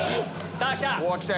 さぁきた！